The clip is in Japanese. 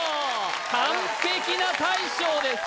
完璧な大将です